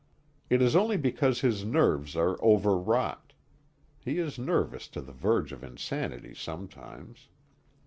It is only because his nerves are overwrought. (He is nervous to the verge of insanity sometimes.)